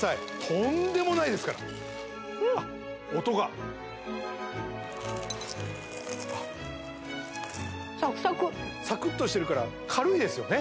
とんでもないですからあっ音がサクサクサクッとしてるから軽いですよね